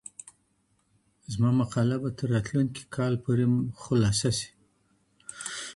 زما مقاله به تر راتلونکي کال پورې خلاصه سي.